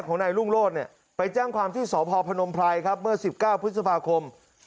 ของในรุ่งโลศไปแจ้งความที่สพพนมพลัยเมื่อ๑๙พฤษภาคม